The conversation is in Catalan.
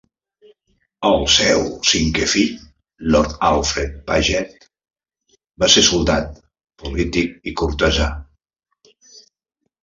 El seu cinquè fill, Lord Alfred Paget, va ser soldat, polític i cortesà.